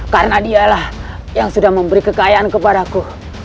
karena dialah yang sudah memberi kekayaan kepadaku